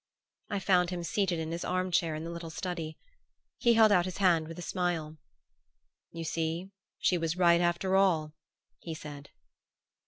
I found him seated in his arm chair in the little study. He held out his hand with a smile. "You see she was right after all," he said.